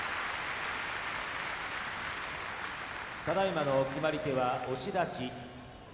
ただいまの決まり手は押し出し。